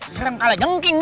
serem kalah jengking